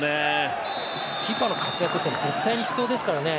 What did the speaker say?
キーパーの活躍っていうのは絶対に必要ですからね。